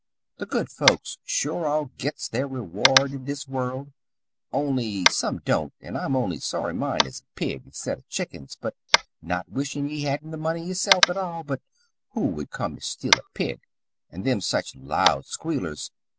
The good folks sure all gits ther reward in this world, only some don't, an' I'm only sorry mine is a pig instid of chickens, but not wishin' ye hadn't th' money yersilf, at all, but who would come to steal a pig, and them such loud squealers?